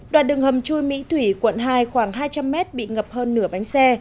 đoạn đường hầm chui mỹ thủy quận hai khoảng hai trăm linh mét bị ngập hơn nửa bánh xe